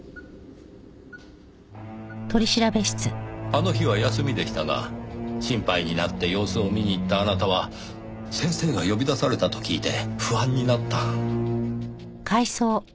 あの日は休みでしたが心配になって様子を見に行ったあなたは先生が呼び出されたと聞いて不安になった。